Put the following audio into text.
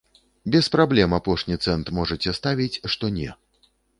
Без праблем апошні цэнт можаце ставіць, што не.